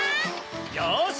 よし！